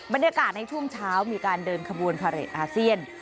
บรรยากาศในช่วงเช้ามีการเดินขบวนพาเรทอาเซียน